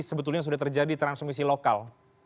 sebetulnya sudah terjadi transmisi lokal